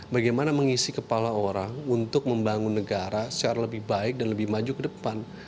bagaimana mengisi kepala orang untuk membangun negara secara lebih baik dan lebih maju ke depan